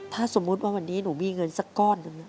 ถ้าสมมุติว่าวันนี้หนูมีเงินสักก้อนหนึ่ง